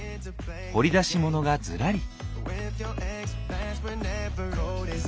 掘り出しモノがずらり。